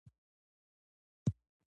سوله بهتره ده.